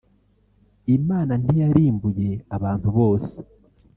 Imana ntiyarimbuye abantu bose